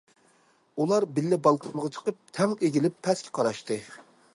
ئۇلار بىللە بالكونغا چىقىپ، تەڭ ئېگىلىپ پەسكە قاراشتى.